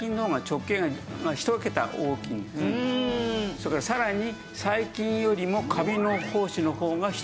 それからさらに。